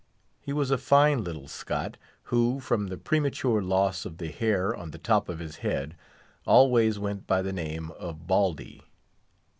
He was a fine little Scot, who, from the premature loss of the hair on the top of his head, always went by the name of Baldy.